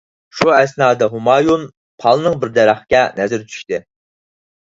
شۇ ئەسنادا ھۇمايۇن پالنىڭ بىر دەرەخكە نەزىرى چۈشتى.